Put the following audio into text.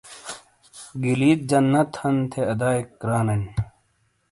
گلیت جنت ہن تھے ادیئک رانن